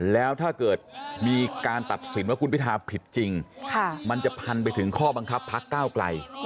แล้วถ้าเกิดมีการตัดสินว่าคุณพิทาผิดจริงมันจะพันไปถึงข้อบังคับพักก้าวไกล